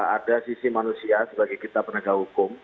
ada sisi manusia sebagai kita penegak hukum